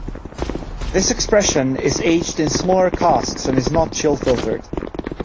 This expression is aged in smaller casks and is not chill filtered.